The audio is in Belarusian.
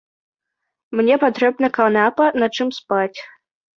Мне патрэбна канапа, на чым спаць.